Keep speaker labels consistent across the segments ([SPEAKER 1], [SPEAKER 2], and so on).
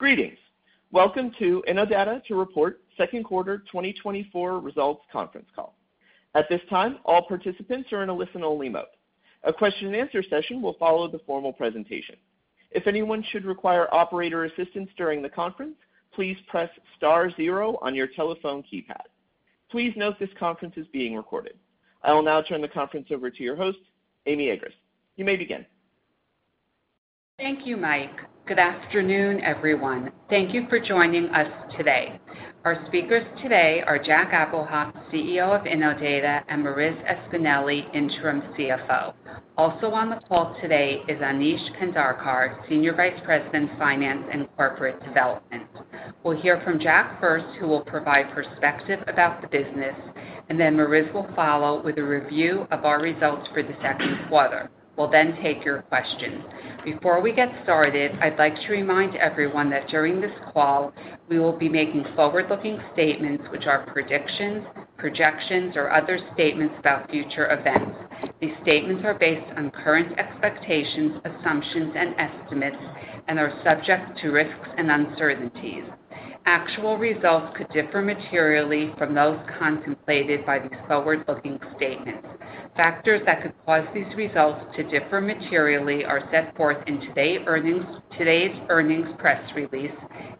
[SPEAKER 1] Greetings. Welcome to Innodata's second quarter 2024 results conference call. At this time, all participants are in a listen-only mode. A question-and-answer session will follow the formal presentation. If anyone should require operator assistance during the conference, please press star zero on your telephone keypad. Please note this conference is being recorded. I will now turn the conference over to your host, Amy Agress. You may begin.
[SPEAKER 2] Thank you, Mike. Good afternoon, everyone. Thank you for joining us today. Our speakers today are Jack Abuhoff, CEO of Innodata, and Mariz Espineli, Interim CFO. Also on the call today is Aneesh Pendharkar, Senior Vice President, Finance and Corporate Development. We'll hear from Jack first, who will provide perspective about the business, and then Mariz will follow with a review of our results for the second quarter. We'll then take your questions. Before we get started, I'd like to remind everyone that during this call, we will be making forward-looking statements, which are predictions, projections, or other statements about future events. These statements are based on current expectations, assumptions, and estimates and are subject to risks and uncertainties. Actual results could differ materially from those contemplated by these forward-looking statements. Factors that could cause these results to differ materially are set forth in today's earnings press release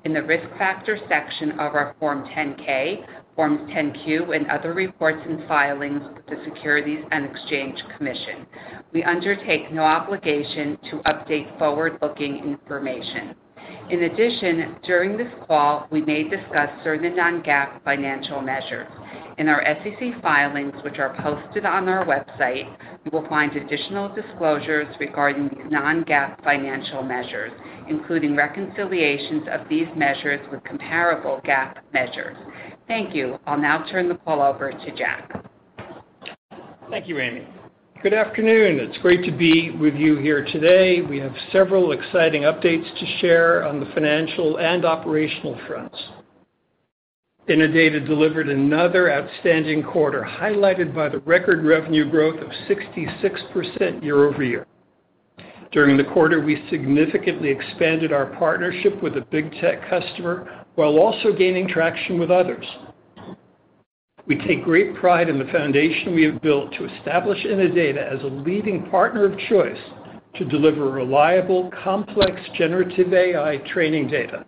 [SPEAKER 2] in the Risk Factors section of our Form 10-K, Forms 10-Q, and other reports and filings with the Securities and Exchange Commission. We undertake no obligation to update forward-looking information. In addition, during this call, we may discuss certain non-GAAP financial measures. In our SEC filings, which are posted on our website, you will find additional disclosures regarding these non-GAAP financial measures, including reconciliations of these measures with comparable GAAP measures. Thank you. I'll now turn the call over to Jack.
[SPEAKER 3] Thank you, Amy. Good afternoon. It's great to be with you here today. We have several exciting updates to share on the financial and operational fronts. Innodata delivered another outstanding quarter, highlighted by the record revenue growth of 66% year-over-year. During the quarter, we significantly expanded our partnership with a big tech customer, while also gaining traction with others. We take great pride in the foundation we have built to establish Innodata as a leading partner of choice to deliver reliable, complex generative AI training data.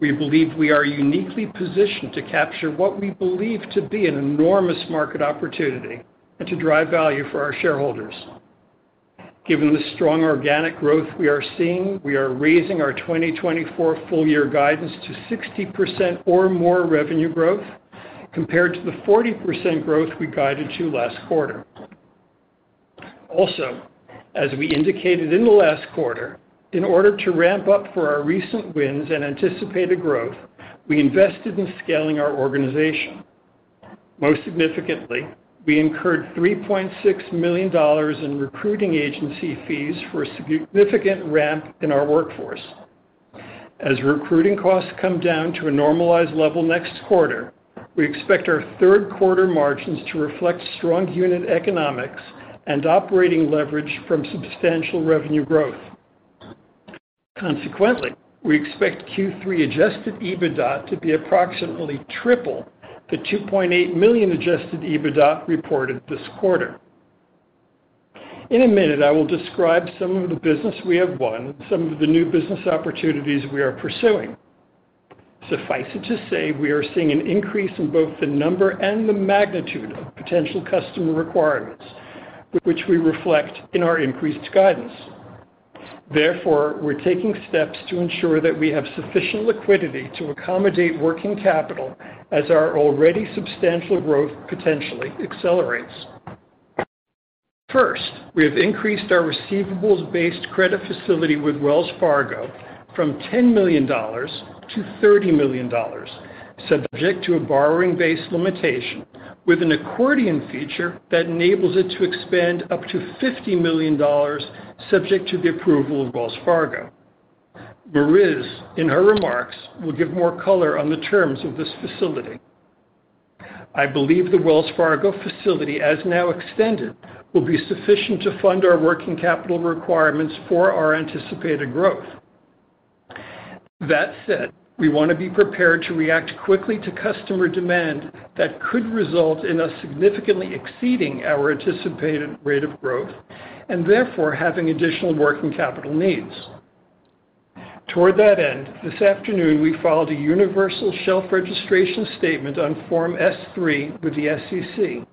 [SPEAKER 3] We believe we are uniquely positioned to capture what we believe to be an enormous market opportunity and to drive value for our shareholders. Given the strong organic growth we are seeing, we are raising our 2024 full year guidance to 60% or more revenue growth, compared to the 40% growth we guided to last quarter. Also, as we indicated in the last quarter, in order to ramp up for our recent wins and anticipated growth, we invested in scaling our organization. Most significantly, we incurred $3.6 million in recruiting agency fees for a significant ramp in our workforce. As recruiting costs come down to a normalized level next quarter, we expect our third quarter margins to reflect strong unit economics and operating leverage from substantial revenue growth. Consequently, we expect third quarter Adjusted EBITDA to be approximately triple the $2.8 million Adjusted EBITDA reported this quarter. In a minute, I will describe some of the business we have won and some of the new business opportunities we are pursuing. Suffice it to say, we are seeing an increase in both the number and the magnitude of potential customer requirements, with which we reflect in our increased guidance. Therefore, we're taking steps to ensure that we have sufficient liquidity to accommodate working capital as our already substantial growth potentially accelerates. First, we have increased our receivables-based credit facility with Wells Fargo from $10 to 30 million, subject to a borrowing base limitation, with an accordion feature that enables it to expand up to $50 million, subject to the approval of Wells Fargo. Mariz, in her remarks, will give more color on the terms of this facility. I believe the Wells Fargo facility, as now extended, will be sufficient to fund our working capital requirements for our anticipated growth. That said, we want to be prepared to react quickly to customer demand that could result in us significantly exceeding our anticipated rate of growth and therefore having additional working capital needs. Toward that end, this afternoon, we filed a universal shelf registration statement on Form S-3 with the SEC.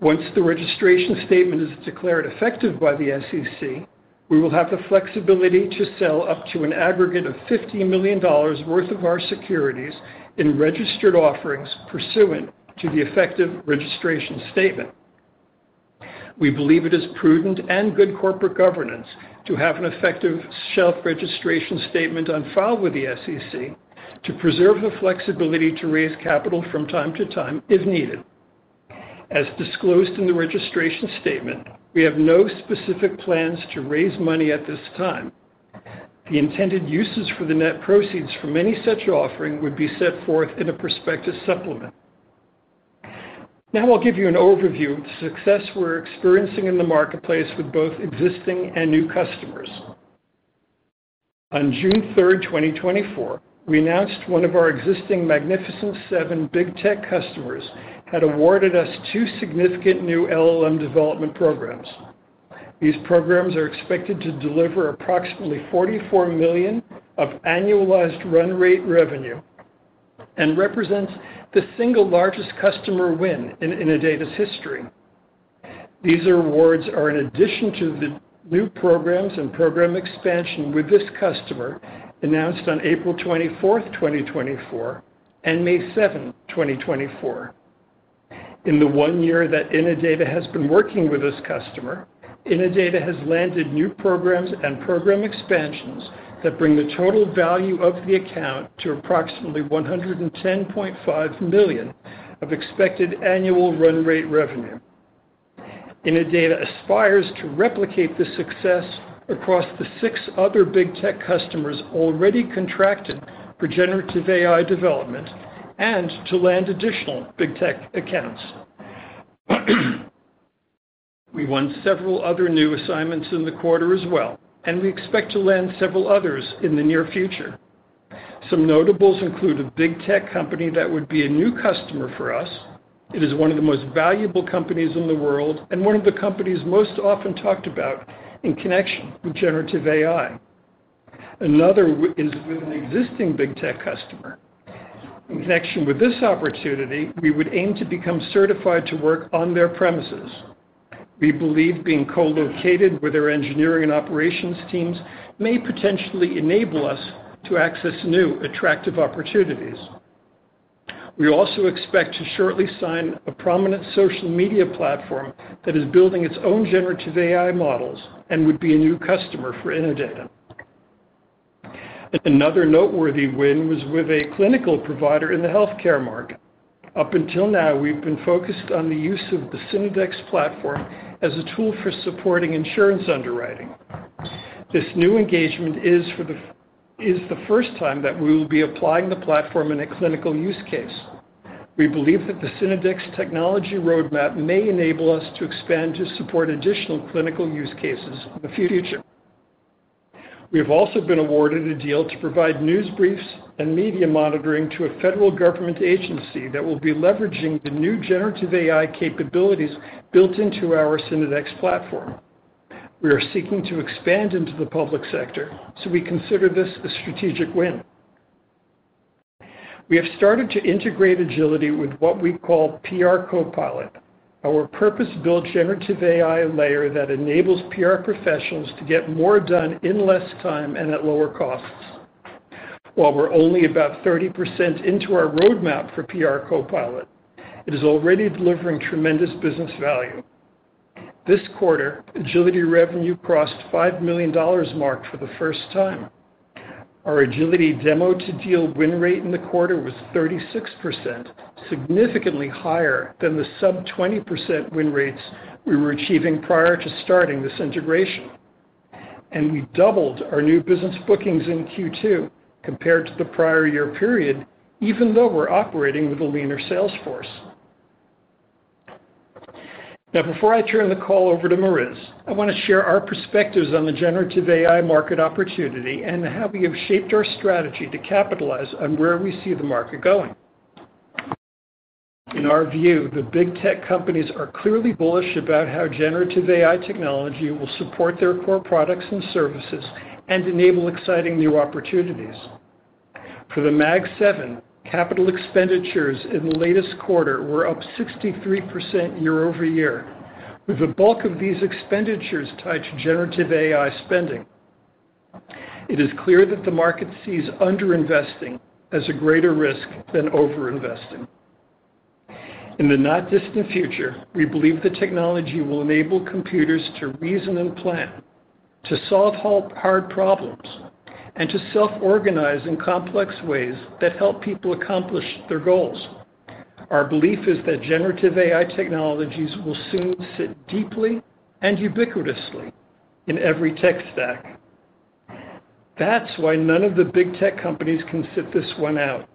[SPEAKER 3] Once the registration statement is declared effective by the SEC, we will have the flexibility to sell up to an aggregate of $50 million worth of our securities in registered offerings pursuant to the effective registration statement. We believe it is prudent and good corporate governance to have an effective shelf registration statement on file with the SEC to preserve the flexibility to raise capital from time to time, if needed. As disclosed in the registration statement, we have no specific plans to raise money at this time. The intended uses for the net proceeds from any such offering would be set forth in a prospectus supplement. Now I'll give you an overview of the success we're experiencing in the marketplace with both existing and new customers. On 3 June 2024, we announced one of our existing Magnificent Seven Big Tech customers had awarded us two significant new LLM development programs. These programs are expected to deliver approximately $44 million of annualized run rate revenue and represents the single largest customer win in Innodata's history. These awards are in addition to the new programs and program expansion with this customer, announced on 24 April 2024, and 7 May 2024. In the one year that Innodata has been working with this customer, Innodata has landed new programs and program expansions that bring the total value of the account to approximately $110.5 million of expected annual run rate revenue. Innodata aspires to replicate this success across the six other Big Tech customers already contracted for generative AI development and to land additional Big Tech accounts. We won several other new assignments in the quarter as well, and we expect to land several others in the near future. Some notables include a Big Tech company that would be a new customer for us. It is one of the most valuable companies in the world and one of the companies most often talked about in connection with generative AI. Another is with an existing Big Tech customer. In connection with this opportunity, we would aim to become certified to work on their premises. We believe being co-located with their engineering and operations teams may potentially enable us to access new, attractive opportunities. We also expect to shortly sign a prominent social media platform that is building its own generative AI models and would be a new customer for Innodata. Another noteworthy win was with a clinical provider in the healthcare market. Up until now, we've been focused on the use of the Synodex platform as a tool for supporting insurance underwriting. This new engagement is the first time that we will be applying the platform in a clinical use case. We believe that the Synodex technology roadmap may enable us to expand to support additional clinical use cases in the future. We have also been awarded a deal to provide news briefs and media monitoring to a federal government agency that will be leveraging the new generative AI capabilities built into our Synodex platform. We are seeking to expand into the public sector, so we consider this a strategic win. We have started to integrate Agility with what we call PR CoPilot, our purpose-built generative AI layer that enables PR professionals to get more done in less time and at lower costs. While we're only about 30% into our roadmap for PR CoPilot, it is already delivering tremendous business value. This quarter, Agility revenue crossed $5 million mark for the first time. Our Agility demo-to-deal win rate in the quarter was 36%, significantly higher than the sub-20% win rates we were achieving prior to starting this integration. And we doubled our new business bookings in second quarter compared to the prior year period, even though we're operating with a leaner sales force. Now, before I turn the call over to Mariz, I want to share our perspectives on the generative AI market opportunity and how we have shaped our strategy to capitalize on where we see the market going. In our view, the big tech companies are clearly bullish about how generative AI technology will support their core products and services and enable exciting new opportunities. For the Mag Seven, capital expenditures in the latest quarter were up 63% year-over-year, with the bulk of these expenditures tied to generative AI spending. It is clear that the market sees under-investing as a greater risk than over-investing. In the not-distant future, we believe the technology will enable computers to reason and plan, to solve hard problems, and to self-organize in complex ways that help people accomplish their goals. Our belief is that generative AI technologies will soon sit deeply and ubiquitously in every tech stack. That's why none of the big tech companies can sit this one out.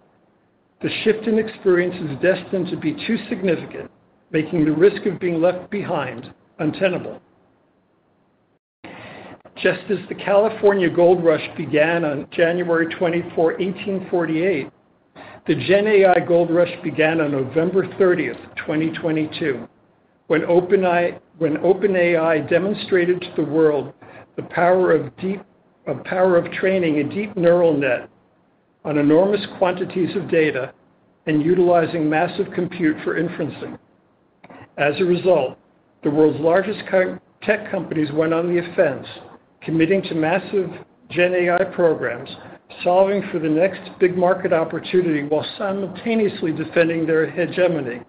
[SPEAKER 3] The shift in experience is destined to be too significant, making the risk of being left behind untenable. Just as the California Gold Rush began on 24 January 1848, the GenAI Gold Rush began on 30 November 2022, when OpenAI demonstrated to the world the power of training a deep neural net on enormous quantities of data and utilizing massive compute for inferencing. As a result, the world's largest tech companies went on the offense, committing to massive GenAI programs, solving for the next big market opportunity while simultaneously defending their hegemony.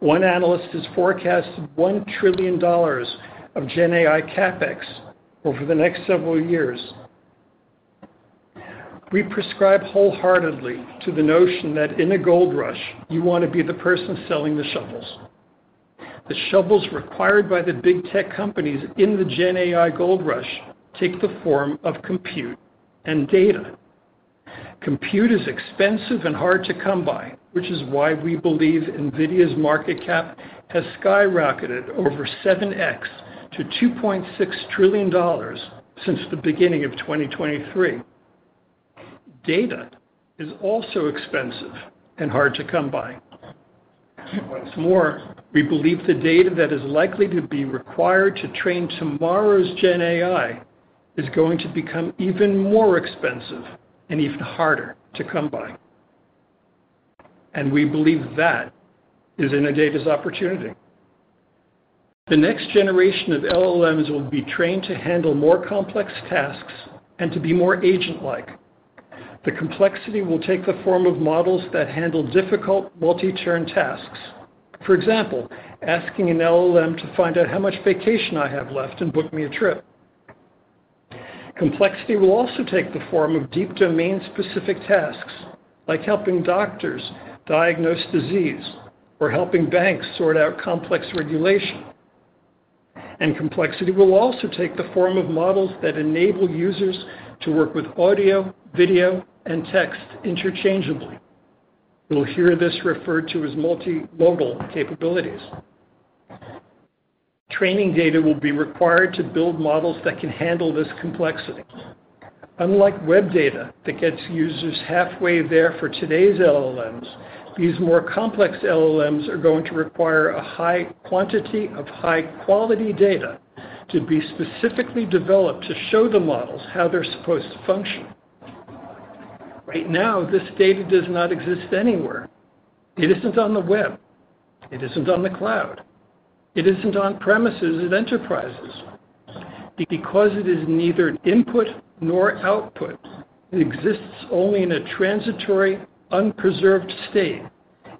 [SPEAKER 3] One analyst has forecasted $1 trillion of GenAI CapEx over the next several years. We subscribe wholeheartedly to the notion that in a gold rush, you want to be the person selling the shovels. The shovels required by the big tech companies in the GenAI gold rush take the form of compute and data. Compute is expensive and hard to come by, which is why we believe NVIDIA's market cap has skyrocketed over 7x to $2.6 trillion since the beginning of 2023. Data is also expensive and hard to come by. Once more, we believe the data that is likely to be required to train tomorrow's GenAI is going to become even more expensive and even harder to come by, and we believe that is Innodata's opportunity. The next generation of LLMs will be trained to handle more complex tasks and to be more agent-like. The complexity will take the form of models that handle difficult multi-turn tasks. For example, asking an LLM to find out how much vacation I have left and book me a trip. Complexity will also take the form of deep domain-specific tasks, like helping doctors diagnose disease or helping banks sort out complex regulation. Complexity will also take the form of models that enable users to work with audio, video, and text interchangeably. You'll hear this referred to as multimodal capabilities. Training data will be required to build models that can handle this complexity. Unlike web data that gets users halfway there for today's LLMs, these more complex LLMs are going to require a high quantity of high-quality data to be specifically developed to show the models how they're supposed to function. Right now, this data does not exist anywhere. It isn't on the web, it isn't on the cloud, it isn't on premises of enterprises. Because it is neither input nor output, it exists only in a transitory, unpreserved state.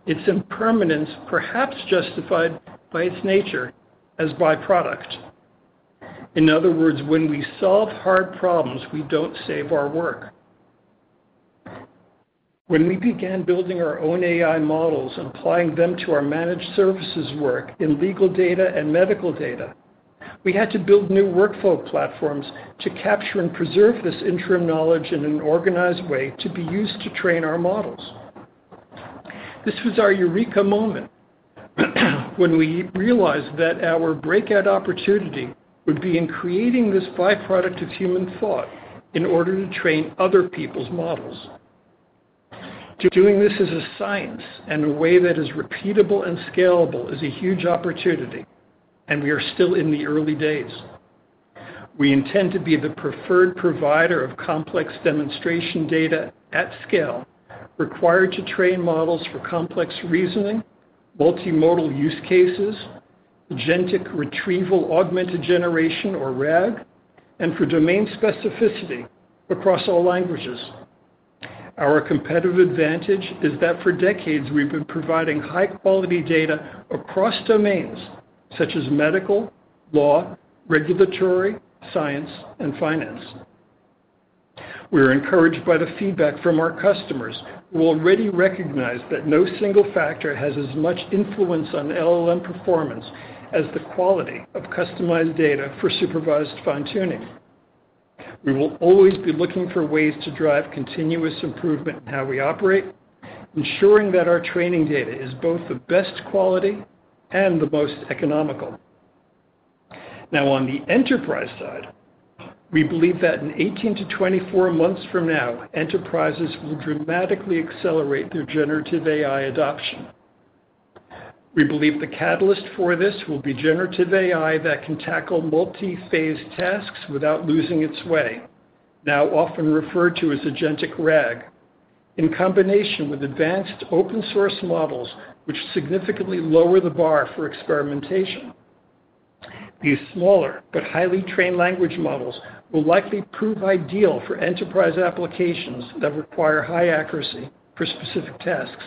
[SPEAKER 3] Its impermanence perhaps justified by its nature as byproduct. In other words, when we solve hard problems, we don't save our work. When we began building our own AI models and applying them to our managed services work in legal data and medical data, we had to build new workflow platforms to capture and preserve this interim knowledge in an organized way to be used to train our models. This was our eureka moment, when we realized that our breakout opportunity would be in creating this byproduct of human thought in order to train other people's models. To doing this as a science and a way that is repeatable and scalable is a huge opportunity, and we are still in the early days. We intend to be the preferred provider of complex demonstration data at scale, required to train models for complex reasoning, multimodal use cases, agentic Retrieval-Augmented Generation, or RAG, and for domain specificity across all languages. Our competitive advantage is that for decades, we've been providing high-quality data across domains such as medical, law, regulatory, science, and finance. We are encouraged by the feedback from our customers, who already recognize that no single factor has as much influence on LLM performance as the quality of customized data for supervised fine-tuning. We will always be looking for ways to drive continuous improvement in how we operate, ensuring that our training data is both the best quality and the most economical. Now, on the enterprise side, we believe that in 18 to 24 months from now, enterprises will dramatically accelerate their generative AI adoption. We believe the catalyst for this will be generative AI that can tackle multi-phase tasks without losing its way, now often referred to as Agentic RAG, in combination with advanced open-source models, which significantly lower the bar for experimentation. These smaller but highly trained language models will likely prove ideal for enterprise applications that require high accuracy for specific tasks.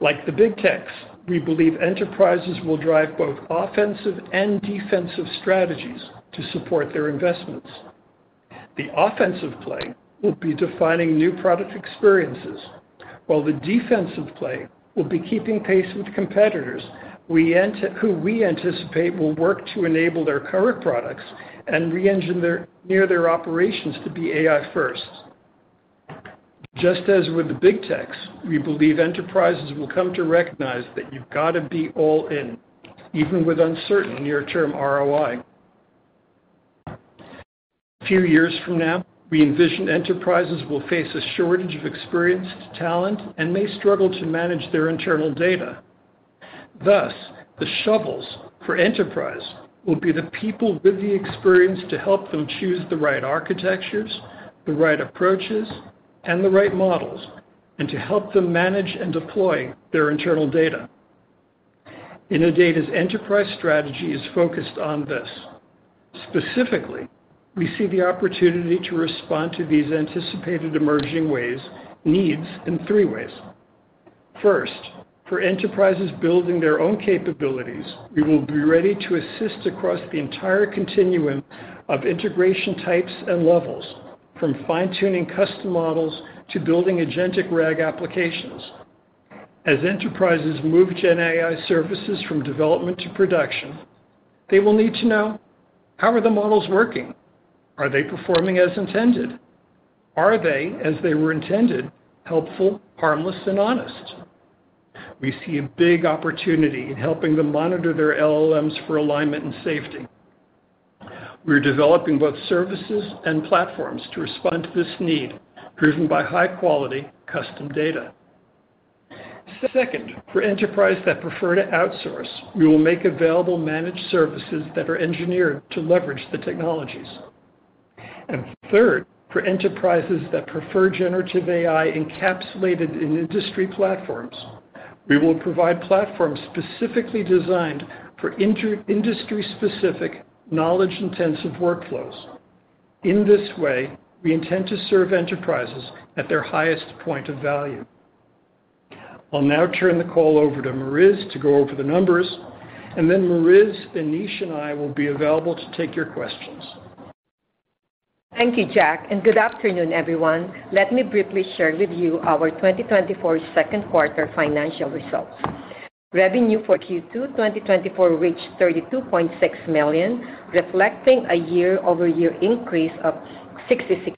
[SPEAKER 3] Like the big techs, we believe enterprises will drive both offensive and defensive strategies to support their investments. The offensive play will be defining new product experiences, while the defensive play will be keeping pace with competitors, who we anticipate will work to enable their current products and reengineer their operations to be AI-first. Just as with the big techs, we believe enterprises will come to recognize that you've got to be all in, even with uncertain near-term ROI. A few years from now, we envision enterprises will face a shortage of experienced talent and may struggle to manage their internal data. Thus, the shovels for enterprise will be the people with the experience to help them choose the right architectures, the right approaches, and the right models, and to help them manage and deploy their internal data. Innodata's enterprise strategy is focused on this. Specifically, we see the opportunity to respond to these anticipated emerging ways, needs in three ways. First, for enterprises building their own capabilities, we will be ready to assist across the entire continuum of integration types and levels... from fine-tuning custom models to building Agentic RAG applications. As enterprises move GenAI services from development to production, they will need to know: How are the models working? Are they performing as intended? Are they, as they were intended, helpful, harmless, and honest? We see a big opportunity in helping them monitor their LLMs for alignment and safety. We're developing both services and platforms to respond to this need, driven by high-quality custom data. Second, for enterprises that prefer to outsource, we will make available managed services that are engineered to leverage the technologies. And third, for enterprises that prefer generative AI encapsulated in industry platforms, we will provide platforms specifically designed for industry-specific, knowledge-intensive workflows. In this way, we intend to serve enterprises at their highest point of value. I'll now turn the call over to Mariz to go over the numbers, and then Mariz, Aneesh, and I will be available to take your questions.
[SPEAKER 4] Thank you, Jack, and good afternoon, everyone. Let me briefly share with you our 2024 second quarter financial results. Revenue for second quarter 2024 reached $32.6 million, reflecting a year-over-year increase of 66%.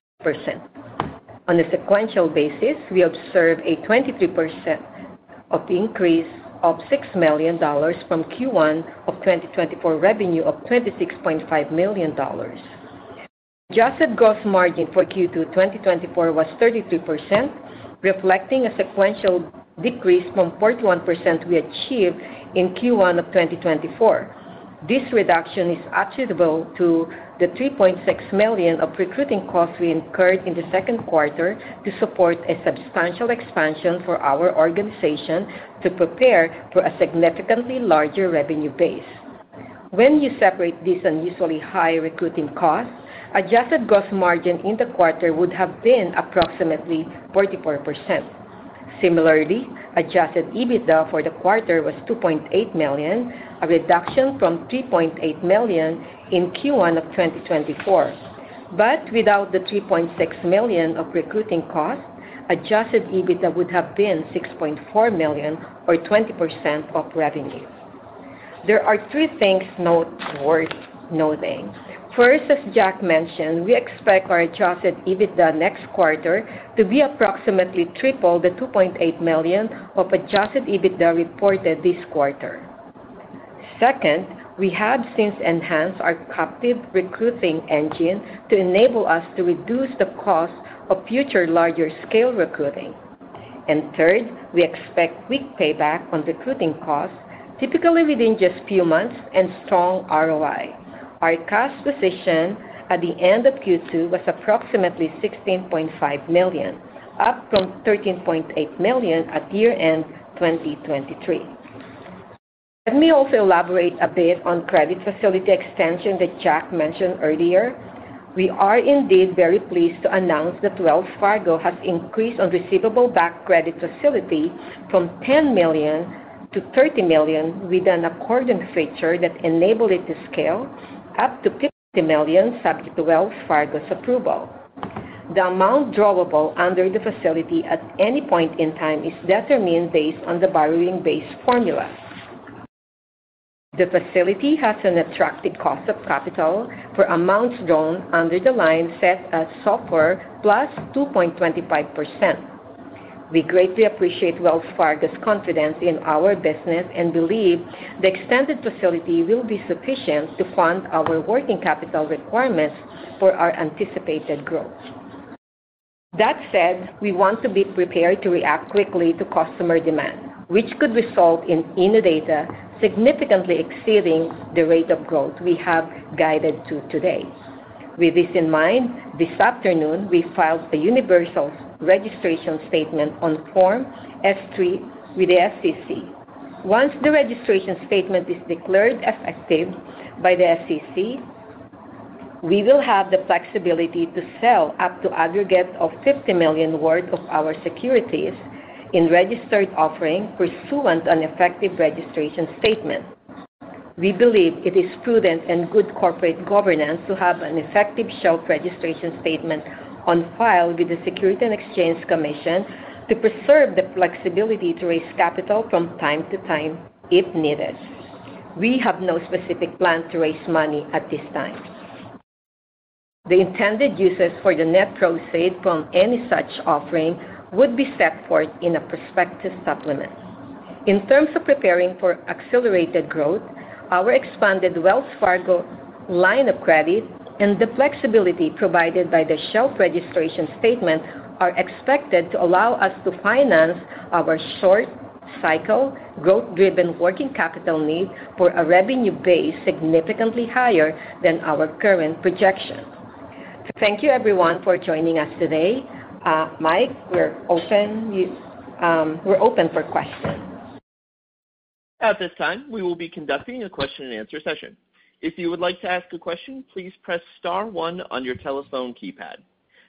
[SPEAKER 4] On a sequential basis, we observed a 23% of the increase of $6 million from first quarter of 2024 revenue of $26.5 million. Adjusted gross margin for second quarter 2024 was 32%, reflecting a sequential decrease from 41% we achieved in first quarter of 2024. This reduction is attributable to the $3.6 million of recruiting costs we incurred in the second quarter to support a substantial expansion for our organization to prepare for a significantly larger revenue base. When you separate this unusually high recruiting cost, adjusted gross margin in the quarter would have been approximately 44%. Similarly, adjusted EBITDA for the quarter was $2.8 million, a reduction from $3.8 million in first quarter of 2024. But without the $3.6 million of recruiting costs, adjusted EBITDA would have been $6.4 million or 20% of revenue. There are three things noteworthy. First, as Jack mentioned, we expect our adjusted EBITDA next quarter to be approximately triple the $2.8 million of adjusted EBITDA reported this quarter. Second, we have since enhanced our captive recruiting engine to enable us to reduce the cost of future larger-scale recruiting. And third, we expect quick payback on recruiting costs, typically within just few months, and strong ROI. Our cash position at the end of second quarter was approximately $16.5 million, up from $13.8 million at year-end 2023. Let me also elaborate a bit on credit facility extension that Jack mentioned earlier. We are indeed very pleased to announce that Wells Fargo has increased our receivable-backed credit facility from $10 to 30 million, with an accordion feature that enable it to scale up to $50 million, subject to Wells Fargo's approval. The amount drawable under the facility at any point in time is determined based on the borrowing base formula. The facility has an attractive cost of capital for amounts drawn under the line, set at SOFR plus 2.25%. We greatly appreciate Wells Fargo's confidence in our business and believe the extended facility will be sufficient to fund our working capital requirements for our anticipated growth. That said, we want to be prepared to react quickly to customer demand, which could result in Innodata significantly exceeding the rate of growth we have guided to today. With this in mind, this afternoon, we filed a universal registration statement on Form S-3 with the SEC. Once the registration statement is declared effective by the SEC, we will have the flexibility to sell up to aggregate of $50 million worth of our securities in registered offering pursuant an effective registration statement. We believe it is prudent and good corporate governance to have an effective shelf registration statement on file with the Securities and Exchange Commission to preserve the flexibility to raise capital from time to time, if needed. We have no specific plan to raise money at this time. The intended uses for the net proceeds from any such offering would be set forth in a prospectus supplement. In terms of preparing for accelerated growth, our expanded Wells Fargo line of credit and the flexibility provided by the shelf registration statement are expected to allow us to finance our short cycle, growth-driven working capital need for a revenue base significantly higher than our current projection. Thank you, everyone, for joining us today. Mike, we're open. We're open for questions.
[SPEAKER 1] At this time, we will be conducting a question-and-answer session. If you would like to ask a question, please press star one on your telephone keypad.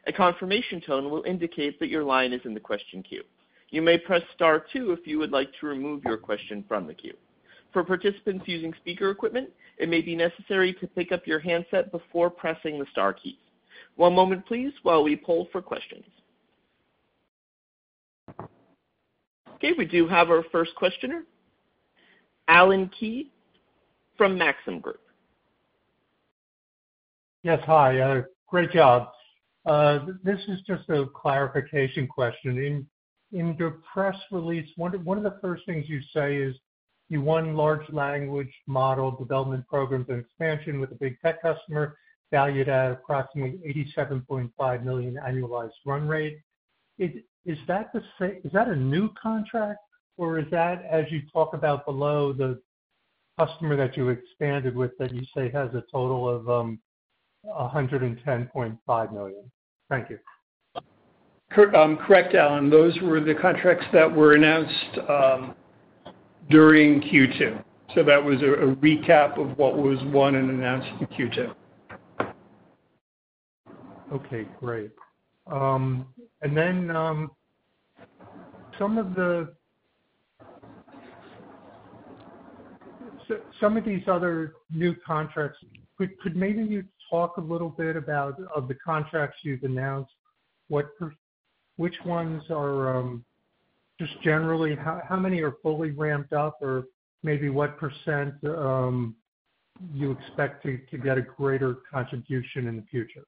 [SPEAKER 1] A confirmation tone will indicate that your line is in the question queue. You may press star two if you would like to remove your question from the queue. For participants using speaker equipment, it may be necessary to pick up your handset before pressing the star key. One moment please, while we poll for questions. Okay, we do have our first questioner, Allen Klee from Maxim Group.
[SPEAKER 5] Yes, hi. Great job. This is just a clarification question. In your press release, one of the first things you say is, you won large language model development programs and expansion with a big tech customer, valued at approximately $87.5 million annualized run rate. Is that the same, is that a new contract, or is that, as you talk about below, the customer that you expanded with, that you say has a total of $110.5 million? Thank you.
[SPEAKER 3] Correct, Allen. Those were the contracts that were announced during second quarter. So that was a recap of what was won and announced in second quarter.
[SPEAKER 5] Okay, great. And then, some of these other new contracts, could maybe you talk a little bit about of the contracts you've announced, which ones are, just generally, how many are fully ramped up? Or maybe what percent you expect to get a greater contribution in the future?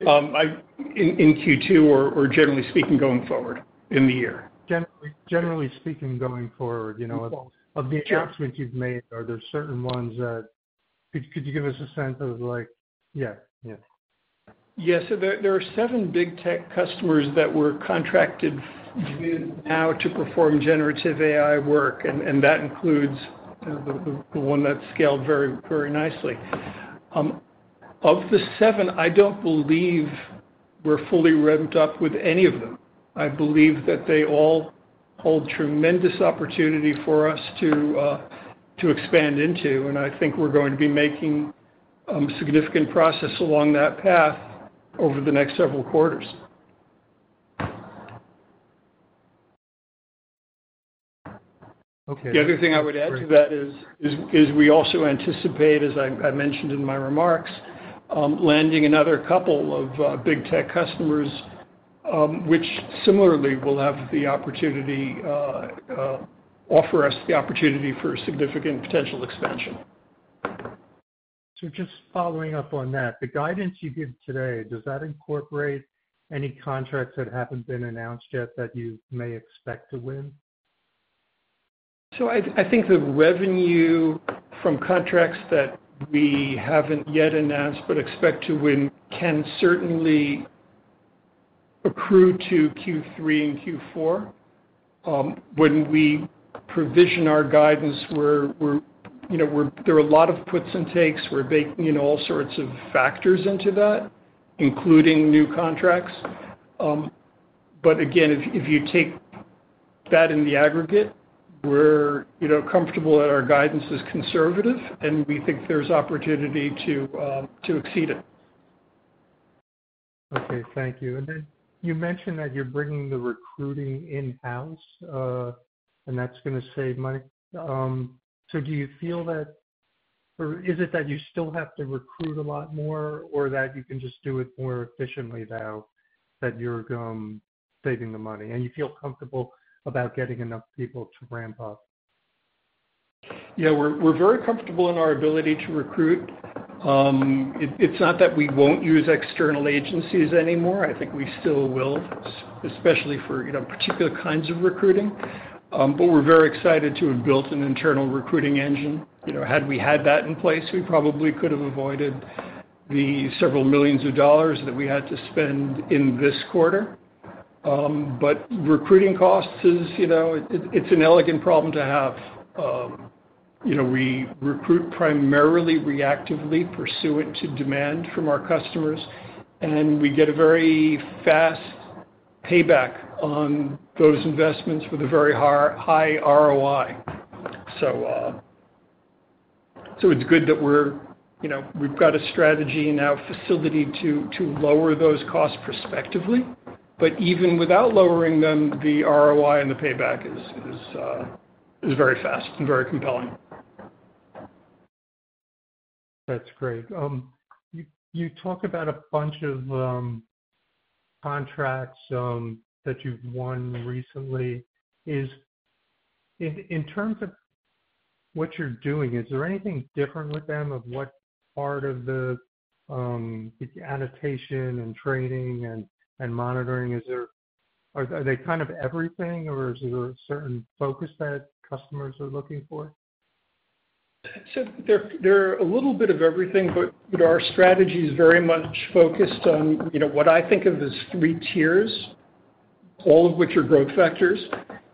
[SPEAKER 3] In second quarter, or generally speaking, going forward in the year?
[SPEAKER 5] Generally speaking, going forward, you know, of...
[SPEAKER 3] Sure.
[SPEAKER 5] ...the announcements you've made, are there certain ones that could you give us a sense of like? Yeah, yeah.
[SPEAKER 3] Yes, so there are seven big tech customers that we're contracted to do now to perform generative AI work, and that includes the one that scaled very, very nicely. Of the seven, I don't believe we're fully ramped up with any of them. I believe that they all hold tremendous opportunity for us to expand into, and I think we're going to be making significant progress along that path over the next several quarters.
[SPEAKER 5] Okay.
[SPEAKER 3] The other thing I would add to that is we also anticipate, as I mentioned in my remarks, landing another couple of big tech customers, which similarly will have the opportunity offer us the opportunity for significant potential expansion.
[SPEAKER 5] Just following up on that, the guidance you give today, does that incorporate any contracts that haven't been announced yet that you may expect to win?
[SPEAKER 3] So, I think the revenue from contracts that we haven't yet announced but expect to win can certainly accrue to third quarter and fourth quarter. When we provision our guidance, you know, there are a lot of puts and takes. We're baking in all sorts of factors into that, including new contracts. But again, if you take that in the aggregate, you know, we're comfortable that our guidance is conservative, and we think there's opportunity to exceed it.
[SPEAKER 5] Okay, thank you. And then you mentioned that you're bringing the recruiting in-house, and that's gonna save money. So do you feel that, or is it that you still have to recruit a lot more, or that you can just do it more efficiently now that you're saving the money, and you feel comfortable about getting enough people to ramp up?
[SPEAKER 3] Yeah, we're very comfortable in our ability to recruit. It's not that we won't use external agencies anymore. I think we still will, especially for, you know, particular kinds of recruiting. But we're very excited to have built an internal recruiting engine. You know, had we had that in place, we probably could have avoided the several million dollars that we had to spend in this quarter. But recruiting costs is, you know, it's an elegant problem to have. You know, we recruit primarily, reactively, pursuant to demand from our customers, and we get a very fast payback on those investments with a very high ROI. So, it's good that we're, you know, we've got a strategy and now facility to lower those costs prospectively. But even without lowering them, the ROI and the payback is very fast and very compelling.
[SPEAKER 5] That's great. You talk about a bunch of contracts that you've won recently. In terms of what you're doing, is there anything different with them, of what part of the adaptation and training and monitoring? Are they kind of everything, or is there a certain focus that customers are looking for?
[SPEAKER 3] So, they're a little bit of everything, but our strategy is very much focused on, you know, what I think of as three tiers, all of which are growth factors.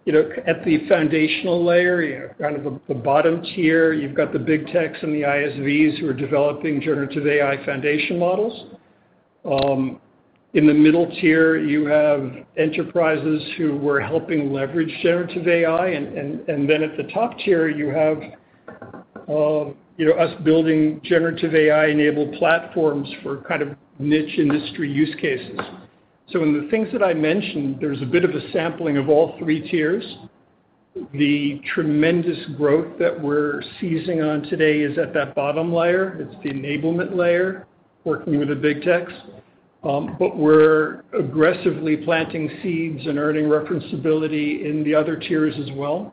[SPEAKER 3] You know, at the foundational layer, you have kind of the bottom tier. You've got the big techs and the ISVs who are developing generative AI foundation models. In the middle tier, you have enterprises who we're helping leverage generative AI, and then at the top tier, you have, you know, us building generative AI-enabled platforms for kind of niche industry use cases. So, in the things that I mentioned, there's a bit of a sampling of all three tiers. The tremendous growth that we're seizing on today is at that bottom layer. It's the enablement layer, working with the big techs. But we're aggressively planting seeds and earning referenceability in the other tiers as well,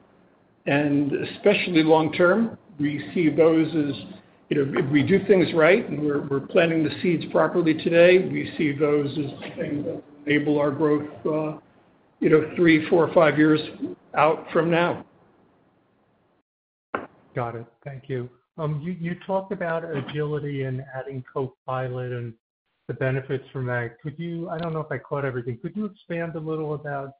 [SPEAKER 3] and especially long term, we see those as, you know, if we do things right, and we're planting the seeds properly today, we see those as things that enable our growth, you know, three or four or five years out from now.
[SPEAKER 5] Got it. Thank you. You talked about Agility and adding Copilot and the benefits from that. Could you, I don't know if I caught everything, could you expand a little about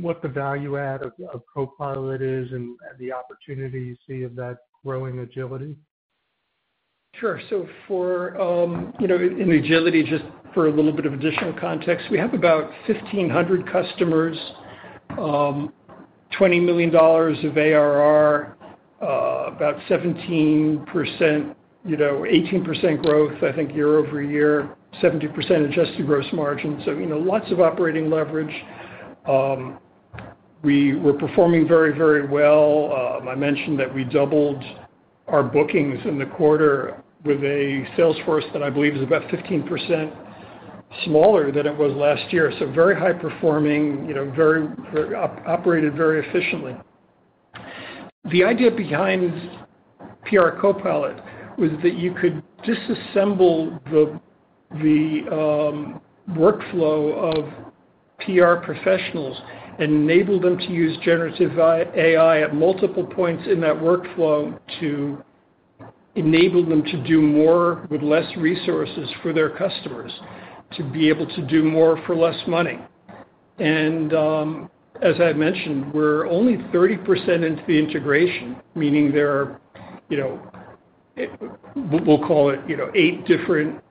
[SPEAKER 5] what the value add of Copilot is and the opportunity you see of that growing Agility?
[SPEAKER 3] Sure. So for, you know, in Agility, just for a little bit of additional context, we have about 1,500 customers, $20 million of ARR, about 17%, you know, 18% growth, I think year-over-year, 70% adjusted gross margin. So, you know, lots of operating leverage. We were performing very, very well. I mentioned that we doubled our bookings in the quarter with a sales force that I believe is about 15% smaller than it was last year. So very high performing, you know, very, very operated very efficiently. The idea behind PR CoPilot was that you could disassemble the workflow of PR professionals and enable them to use generative AI at multiple points in that workflow to enable them to do more with less resources for their customers, to be able to do more for less money. And as I mentioned, we're only 30% into the integration, meaning there are, you know, we'll call it, you know, eight different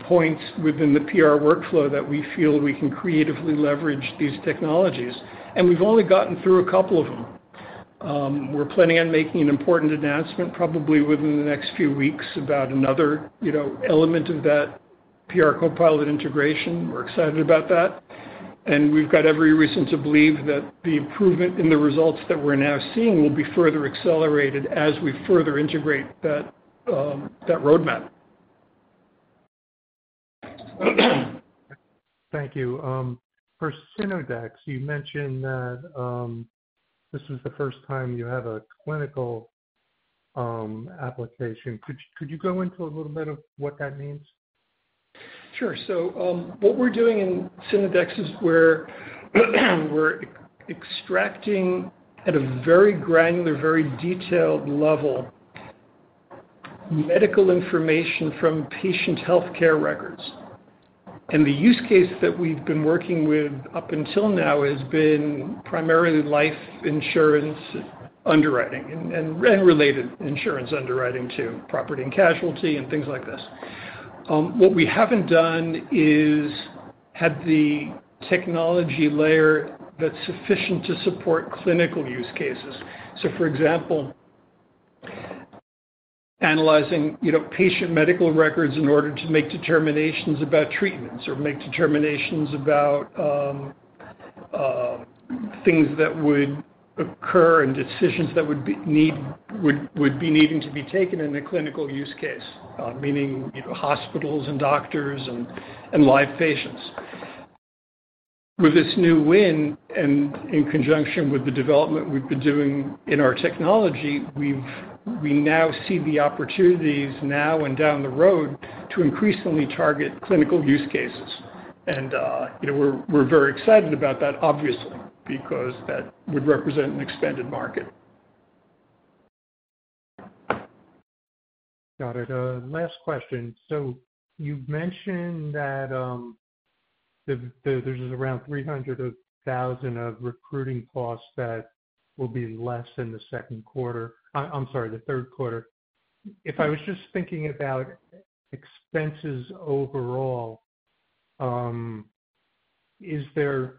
[SPEAKER 3] points within the PR workflow that we feel we can creatively leverage these technologies. And we've only gotten through a couple of them. We're planning on making an important announcement, probably within the next few weeks, about another, you know, element of that PR CoPilot integration. We're excited about that, and we've got every reason to believe that the improvement in the results that we're now seeing will be further accelerated as we further integrate that roadmap.
[SPEAKER 5] Thank you. For Synodex, you mentioned that this is the first time you have a clinical application. Could you go into a little bit of what that means?
[SPEAKER 3] Sure. So, what we're doing in Synodex is we're extracting at a very granular, very detailed level, medical information from patient healthcare records. And the use case that we've been working with up until now has been primarily life insurance underwriting and related insurance underwriting to property and casualty, and things like this. What we haven't done is had the technology layer that's sufficient to support clinical use cases. So, for example, analyzing, you know, patient medical records in order to make determinations about treatments, or make determinations about things that would occur and decisions that would be needing to be taken in a clinical use case, meaning, you know, hospitals and doctors and live patients. With this new win, and in conjunction with the development we've been doing in our technology, we now see the opportunities now and down the road to increasingly target clinical use cases. You know, we're very excited about that, obviously, because that would represent an expanded market.
[SPEAKER 5] Got it. Last question. So you've mentioned that, the there's around $300,000 of recruiting costs that will be less in the second quarter—I'm sorry, the third quarter. If I was just thinking about expenses overall, is there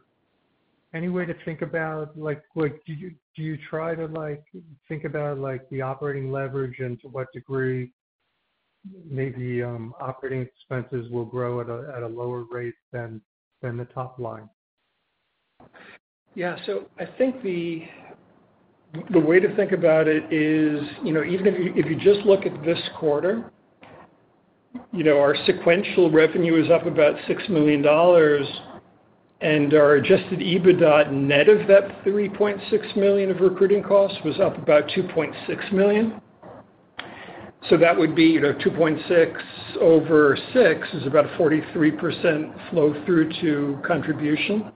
[SPEAKER 5] any way to think about, like, like, do you, do you try to, like, think about, like, the operating leverage and to what degree maybe, operating expenses will grow at a lower rate than the top line?
[SPEAKER 3] Yeah. So, I think the, the way to think about it is, you know, even if you, if you just look at this quarter, you know, our sequential revenue is up about $6 million, and our adjusted EBITDA net of that $3.6 million of recruiting costs was up about $2.6 million. So, that would be, you know, 2.6 over 6 is about a 43% flow through to contribution.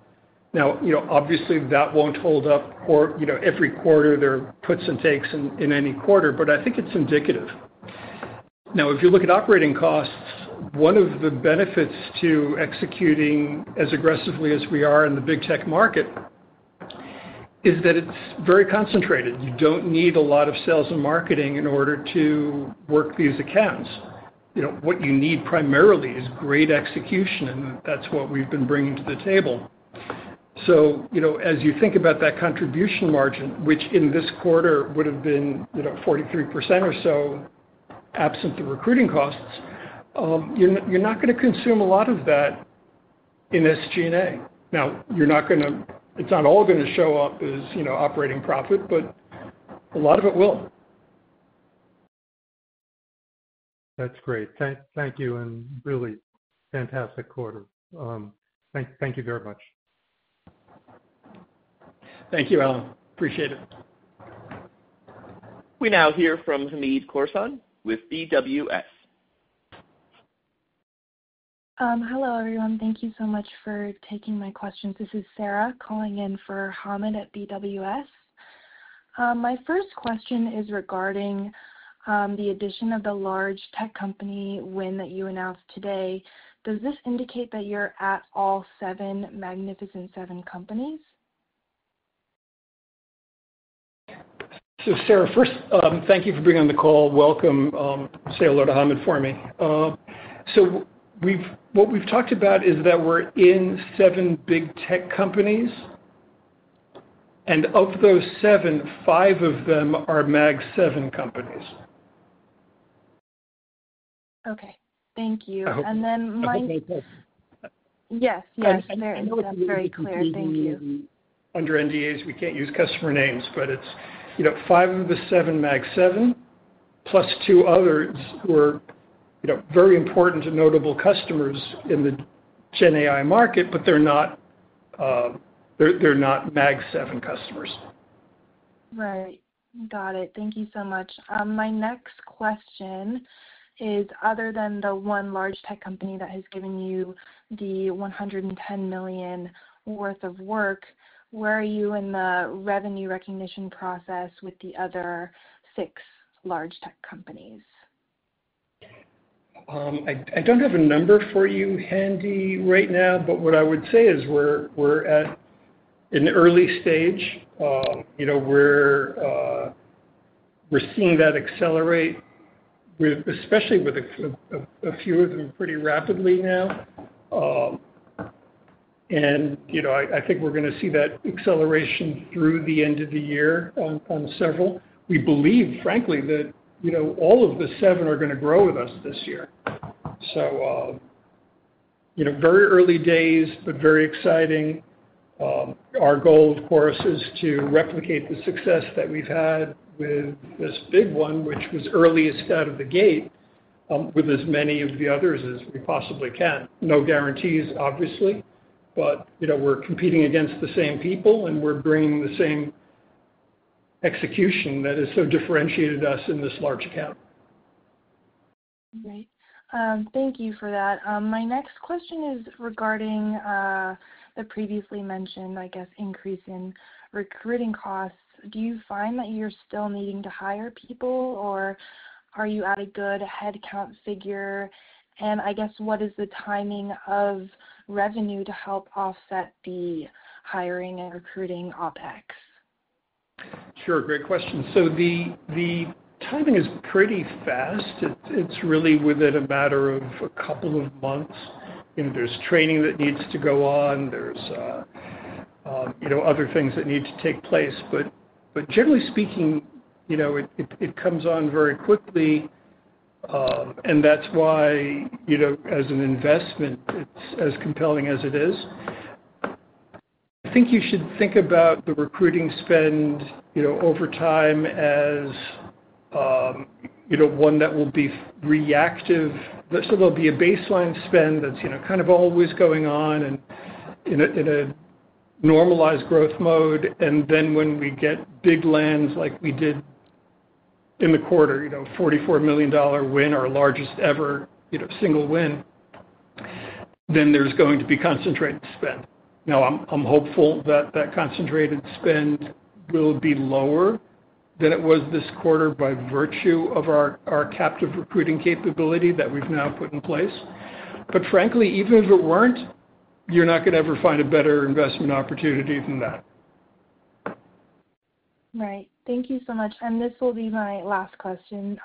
[SPEAKER 3] Now, you know, obviously, that won't hold up for, you know, every quarter. There are puts and takes in, in any quarter, but I think it's indicative. Now, if you look at operating costs, one of the benefits to executing as aggressively as we are in the big tech market is that it's very concentrated. You don't need a lot of sales and marketing in order to work these accounts. You know, what you need primarily is great execution, and that's what we've been bringing to the table. So, you know, as you think about that contribution margin, which in this quarter would have been, you know, 43% or so absent the recruiting costs, you're not gonna consume a lot of that in SG&A. Now, you're not gonna. It's not all gonna show up as, you know, operating profit, but a lot of it will.
[SPEAKER 5] That's great. Thank you, and really fantastic quarter. Thank you very much.
[SPEAKER 3] Thank you, Allen. Appreciate it.
[SPEAKER 1] We now hear from Hamed Khorsand with BWS.
[SPEAKER 6] Hello, everyone. Thank you so much for taking my questions. This is Sarah calling in for Hamed at BWS. My first question is regarding the addition of the large tech company win that you announced today. Does this indicate that you're at all seven Magnificent Seven companies?
[SPEAKER 3] So Sarah, first, thank you for being on the call. Welcome. Say hello to Hamed for me. What we've talked about is that we're in seven big tech companies, and of those seven, five of them are Mag Seven companies.
[SPEAKER 6] Okay. Thank you.
[SPEAKER 3] I hope...
[SPEAKER 6] And then my...
[SPEAKER 3] I hope I said this...
[SPEAKER 6] Yes, yes.
[SPEAKER 3] I know we need to be...
[SPEAKER 6] Very clear. Thank you.
[SPEAKER 3] Under NDAs, we can't use customer names, but it's, you know, five of the seven, Mag Seven, plus two others who are, you know, very important to notable customers in the GenAI market, but they're not Mag Seven customers.
[SPEAKER 6] Right. Got it. Thank you so much. My next question is, other than the one large tech company that has given you the $110 million worth of work, where are you in the revenue recognition process with the other six large tech companies?
[SPEAKER 3] I don't have a number for you, handy right now, but what I would say is we're, we're at an early stage. You know, we're seeing that accelerate with, especially with a few of them pretty rapidly now. And, you know, I think we're gonna see that acceleration through the end of the year on several. We believe, frankly, that, you know, all of the seven are gonna grow with us this year. So, you know, very early days, but very exciting. Our goal, of course, is to replicate the success that we've had with this big one, which was earliest out of the gate, with as many of the others as we possibly can. No guarantees, obviously, but, you know, we're competing against the same people, and we're bringing the same execution that has so differentiated us in this large account.
[SPEAKER 6] Great. Thank you for that. My next question is regarding the previously mentioned, I guess, increase in recruiting costs. Do you find that you're still needing to hire people, or are you at a good headcount figure? And I guess, what is the timing of revenue to help offset the hiring and recruiting OpEx?
[SPEAKER 3] Sure, great question. So the timing is pretty fast. It's really within a matter of a couple of months, and there's training that needs to go on. There's you know, other things that need to take place. But generally speaking, you know, it comes on very quickly, and that's why, you know, as an investment, it's as compelling as it is. I think you should think about the recruiting spend, you know, over time as you know, one that will be reactive. There'll still be a baseline spend that's you know, kind of always going on and in a normalized growth mode, and then when we get big lands like we did in the quarter, you know, $44 million win, our largest ever, you know, single win, then there's going to be concentrated spend. Now I'm hopeful that concentrated spend will be lower than it was this quarter by virtue of our captive recruiting capability that we've now put in place. But frankly, even if it weren't, you're not gonna ever find a better investment opportunity than that.
[SPEAKER 6] Right. Thank you so much, and this will be my last question.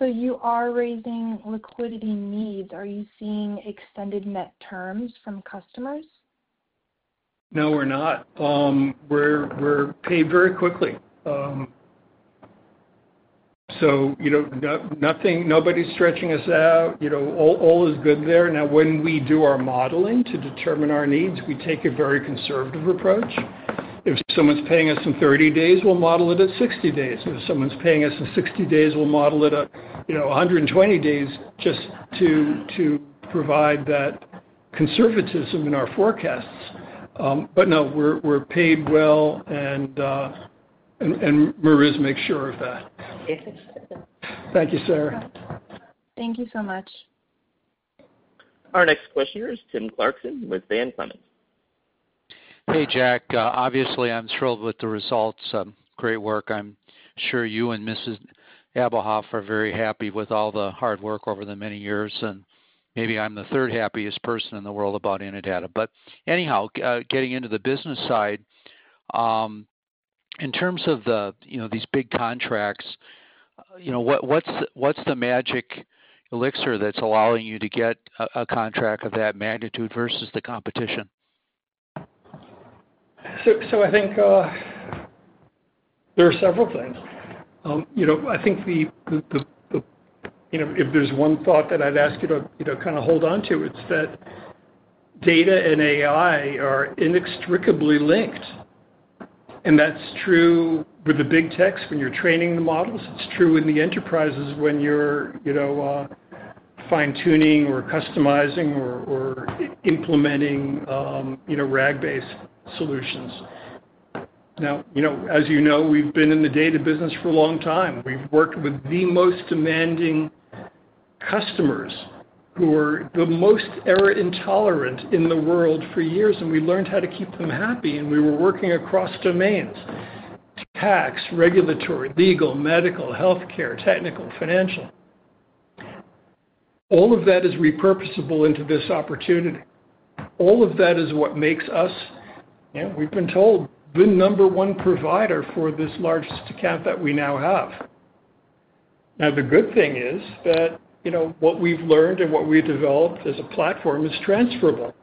[SPEAKER 6] So you are raising liquidity needs. Are you seeing extended net terms from customers?
[SPEAKER 3] No, we're not. We're paid very quickly. So, you know, nothing, nobody's stretching us out. You know, all is good there. Now, when we do our modeling to determine our needs, we take a very conservative approach. If someone's paying us in 30 days, we'll model it at 60 days. If someone's paying us in 60 days, we'll model it at, you know, 120 days, just to provide that conservatism in our forecasts. But no, we're paid well and Maria makes sure of that.
[SPEAKER 6] Okay.
[SPEAKER 3] Thank you, Sarah.
[SPEAKER 6] Thank you so much.
[SPEAKER 1] Our next question is Tim Clarkson with Van Clemens.
[SPEAKER 6] Hey, Jack. Obviously, I'm thrilled with the results. Great work. I'm sure you and Mrs. Abuhoff are very happy with all the hard work over the many years, and maybe I'm the third happiest person in the world about Innodata. But anyhow, getting into the business side. In terms of the, you know, these big contracts, you know, what's the magic elixir that's allowing you to get a contract of that magnitude versus the competition?
[SPEAKER 3] So, I think there are several things. You know, I think, you know, if there's one thought that I'd ask you to, you know, kinda hold on to, it's that data and AI are inextricably linked. That's true with the big techs when you're training the models. It's true in the enterprises when you're, you know, fine-tuning or customizing or implementing, you know, RAG-based solutions. Now, you know, as you know, we've been in the data business for a long time. We've worked with the most demanding customers who are the most error intolerant in the world for years, and we learned how to keep them happy, and we were working across domains: tax, regulatory, legal, medical, healthcare, technical, financial. All of that is repurposable into this opportunity. All of that is what makes us, and we've been told, the number one provider for this largest account that we now have. Now, the good thing is that, you know, what we've learned and what we've developed as a platform is transferable.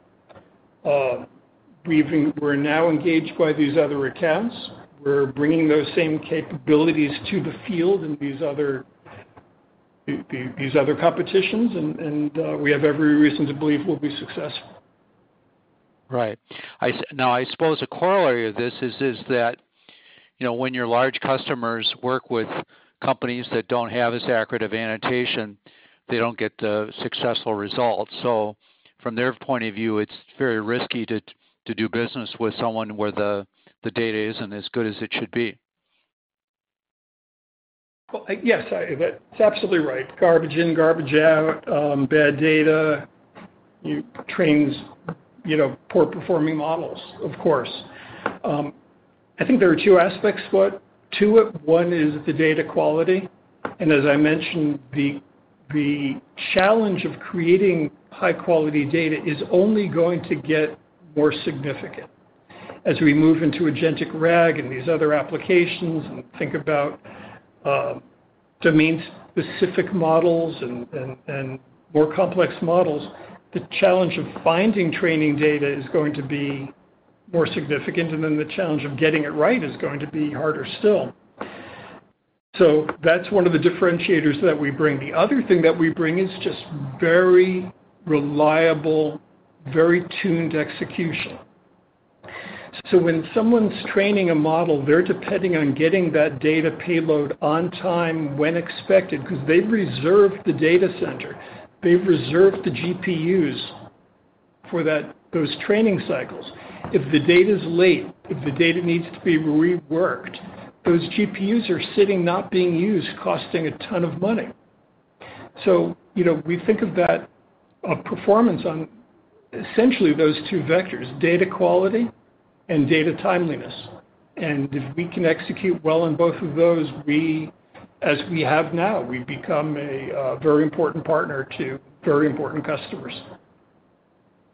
[SPEAKER 3] We're now engaged by these other accounts. We're bringing those same capabilities to the field and these other, the, these other competitions, and, and we have every reason to believe we'll be successful.
[SPEAKER 6] Right. Now, I suppose a corollary of this is that, you know, when your large customers work with companies that don't have as accurate of annotation, they don't get the successful results. So, from their point of view, it's very risky to do business with someone where the data isn't as good as it should be.
[SPEAKER 3] Well, yes, I, that's absolutely right. Garbage in, garbage out, bad data, it trains, you know, poor performing models, of course. I think there are two aspects to it. One is the data quality, and as I mentioned, the challenge of creating high quality data is only going to get more significant. As we move into Agentic RAG and these other applications and think about domain-specific models and more complex models, the challenge of finding training data is going to be more significant, and then the challenge of getting it right is going to be harder still. So, that's one of the differentiators that we bring. The other thing that we bring is just very reliable, very tuned execution. So, when someone's training a model, they're depending on getting that data payload on time when expected, 'cause they've reserved the data center, they've reserved the GPUs for that, those training cycles. If the data's late, if the data needs to be reworked, those GPUs are sitting, not being used, costing a ton of money. So, you know, we think of that performance on essentially those two vectors, data quality and data timeliness. And if we can execute well on both of those, we, as we have now, we become a very important partner to very important customers.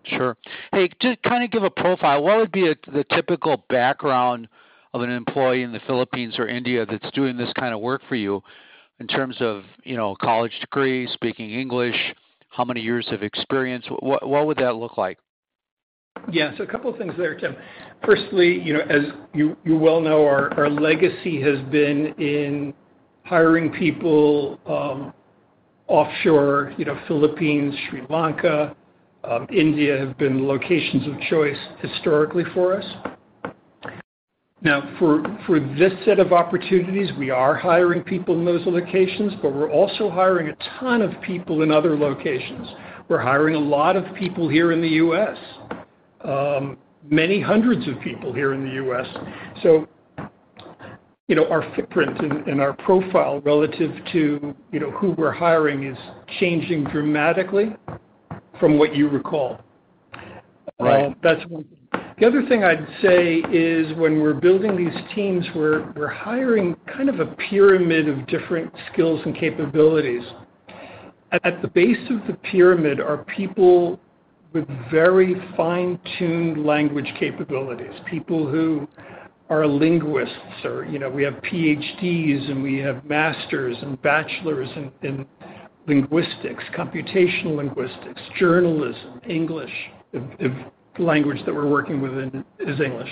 [SPEAKER 7] Sure. Hey, just kinda give a profile, what would be the typical background of an employee in the Philippines or India that's doing this kind of work for you in terms of, you know, college degree, speaking English, how many years of experience? What would that look like?
[SPEAKER 3] Yeah, so a couple of things there, Tim. Firstly, you know, as you, you well know, our, our legacy has been in hiring people offshore, you know, Philippines, Sri Lanka, India, have been locations of choice historically for us. Now, for, for this set of opportunities, we are hiring people in those locations, but we're also hiring a ton of people in other locations. We're hiring a lot of people here in the US, many hundreds of people here in the US. So, you know, our footprint and, and our profile relative to, you know, who we're hiring is changing dramatically from what you recall.
[SPEAKER 7] Right.
[SPEAKER 3] That's one. The other thing I'd say is, when we're building these teams, we're hiring kind of a pyramid of different skills and capabilities. At the base of the pyramid are people with very fine-tuned language capabilities, people who are linguists or you know, we have Ph.D.s, and we have master's and bachelor's in linguistics, computational linguistics, journalism, English. If the language that we're working within is English.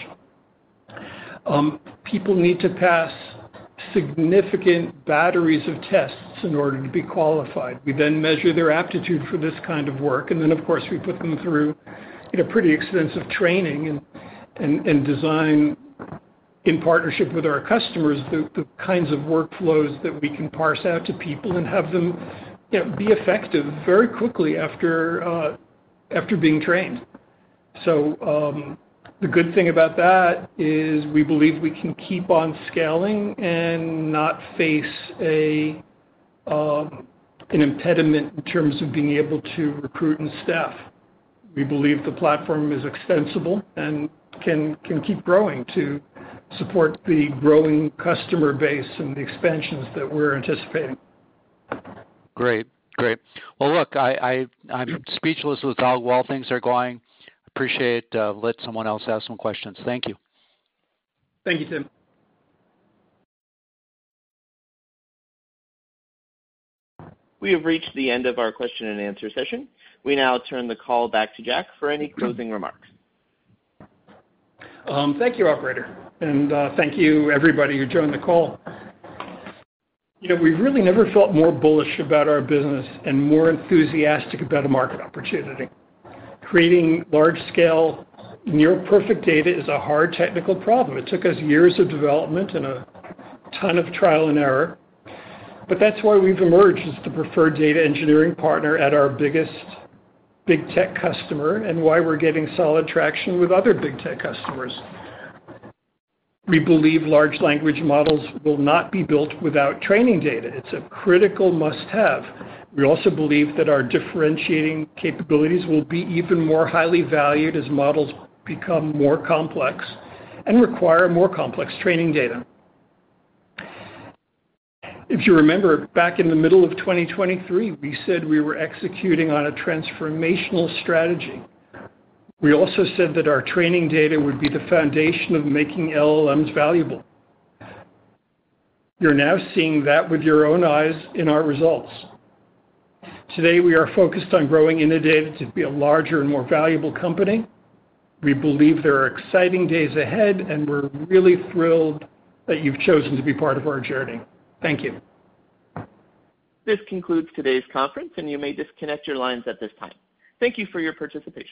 [SPEAKER 3] People need to pass significant batteries of tests in order to be qualified. We then measure their aptitude for this kind of work, and then, of course, we put them through, you know, pretty extensive training and design in partnership with our customers, the kinds of workflows that we can parse out to people and have them, you know, be effective very quickly after being trained. So, the good thing about that is we believe we can keep on scaling and not face a, an impediment in terms of being able to recruit and staff. We believe the platform is extensible and can keep growing to support the growing customer base and the expansions that we're anticipating.
[SPEAKER 7] Great. Great. Well, look, I'm speechless with how well things are going. Appreciate it. Let someone else ask some questions. Thank you.
[SPEAKER 3] Thank you, Tim.
[SPEAKER 1] We have reached the end of our question and answer session. We now turn the call back to Jack for any closing remarks.
[SPEAKER 3] Thank you, operator, and thank you everybody who joined the call. You know, we've really never felt more bullish about our business and more enthusiastic about a market opportunity. Creating large-scale near perfect data is a hard technical problem. It took us years of development and a ton of trial and error, but that's why we've emerged as the preferred data engineering partner at our biggest big tech customer and why we're getting solid traction with other big tech customers. We believe large language models will not be built without training data. It's a critical must-have. We also believe that our differentiating capabilities will be even more highly valued as models become more complex and require more complex training data. If you remember, back in the middle of 2023, we said we were executing on a transformational strategy. We also said that our training data would be the foundation of making LLMs valuable. You're now seeing that with your own eyes in our results. Today, we are focused on growing Innodata to be a larger and more valuable company. We believe there are exciting days ahead, and we're really thrilled that you've chosen to be part of our journey. Thank you.
[SPEAKER 1] This concludes today's conference, and you may disconnect your lines at this time. Thank you for your participation.